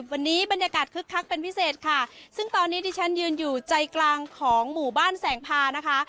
วันนี้บรรยากาศคึกคักเป็นพิเศษค่ะซึ่งตอนนี้ที่ฉันยืนอยู่ใจกลางของหมู่บ้านแสงพานะคะ